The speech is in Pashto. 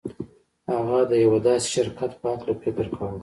هغه د يوه داسې شرکت په هکله فکر کاوه.